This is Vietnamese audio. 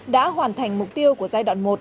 đã hoàn thành mục tiêu của giai đoạn một